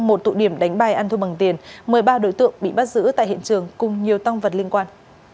một tụ điểm đánh bài ăn thua bằng tiền một mươi ba đối tượng bị bắt giữ tại hiện trường cùng nhiều tăng vật liên quan